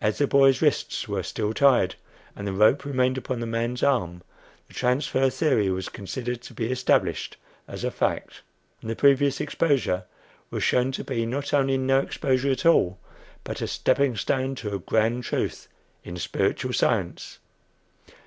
As the boy's wrists were still tied, and the rope remained upon the man's arm, the "transfer" theory was considered to be established as a fact, and the previous exposure shown to be not only no exposure at all, but a "stepping stone to a grand truth in spiritual science."